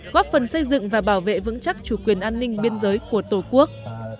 góp phần xây dựng và bảo vệ vững chắc chủ quyền an ninh biên giới của tổ quốc